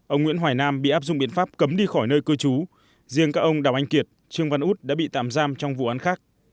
ông nguyễn hoài nam bị áp dụng biện pháp cấm đi khỏi nơi cư trú riêng các ông đào anh kiệt trương văn út đã bị tạm giam trong vụ án khác